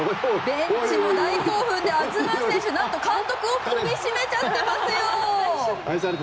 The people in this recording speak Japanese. ベンチも大興奮でアズムン選手何と監督を抱きしめちゃってますよ。